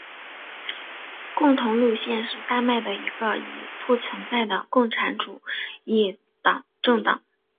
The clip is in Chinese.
共同路线是丹麦的一个已不存在的共产主义政党。